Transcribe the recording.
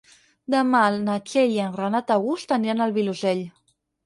Demà na Txell i en Renat August aniran al Vilosell.